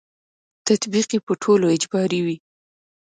تطبیق یې په ټولو اجباري وي.